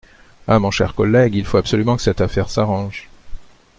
Ah ! mon cher collègue, il faut absolument que cette affaire s'arrange.